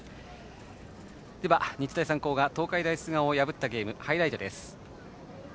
日大三高が東海大菅生を破ったゲームのハイライトです。